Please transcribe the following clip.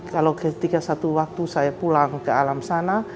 kalau ketika satu waktu saya pulang ke alam sana